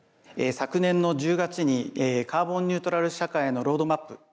昨年の１０月にカーボンニュートラル社会のロードマップ